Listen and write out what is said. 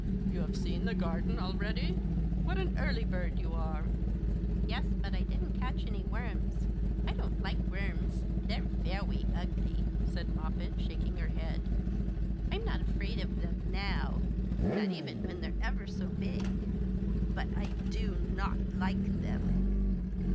"You have seen the garden already, What an early bird you are I "" Yes, but I didn't catch any worms. I don't like worms. They're veway ugly," said jMoppet, shaking her head. '• I'm not afraid of them now, not even when they're ever so big; but I — do— not — like — them."